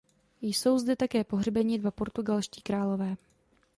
Jsou zde také pohřbeni dva portugalští králové.